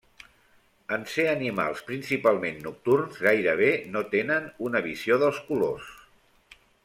En ser animals principalment nocturns gairebé no tenen una visió dels colors.